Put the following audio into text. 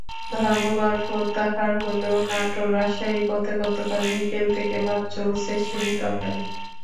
ধর্মঘট প্রত্যাহার হলেও নাটোর-রাজশাহী পথে গতকাল বিকেল থেকে বাস চলেছে সীমিত আকারে।